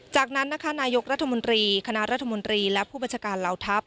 จากนั้นนะคะนายกรัฐมนตรีคณะรัฐมนตรีและผู้บัญชาการเหล่าทัพ